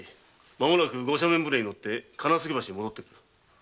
まもなくご赦免船に乗って金杉橋へ戻ってくる。